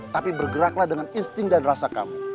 tapi bergeraklah dengan insting dan rasa kamu